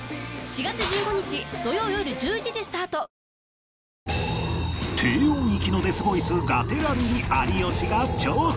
「ディアナチュラ」低音域のデスボイスガテラルに有吉が挑戦